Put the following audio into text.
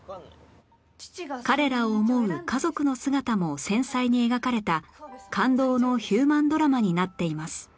彼らを思う家族の姿も繊細に描かれた感動のヒューマンドラマになっています